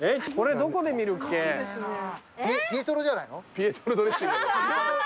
ピエトロドレッシング？あぁー！